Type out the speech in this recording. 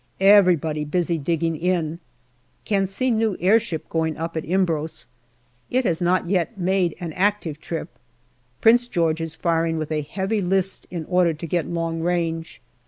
Everybody busy digging in. Can see new airship going up at Imbros. It has not yet made an active trip. Prince George is firing with a heavy list in order to get long range.